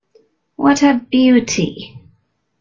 What a beauty!